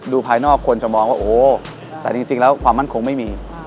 ภายนอกคนจะมองว่าโอ้แต่จริงแล้วความมั่นคงไม่มี